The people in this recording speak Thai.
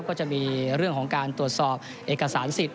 ก็จะมีเรื่องของการตรวจสอบเอกสารสิทธิ